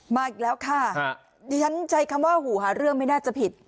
มาอีกแล้วค่ะดิฉันใช้คำว่าหูหาเรื่องไม่น่าจะผิด